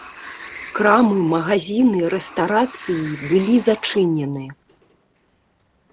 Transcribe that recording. Крамы, магазіны, рэстарацыі былі зачынены.